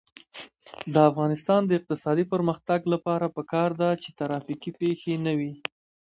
د افغانستان د اقتصادي پرمختګ لپاره پکار ده چې ترافیکي پیښې نه وي.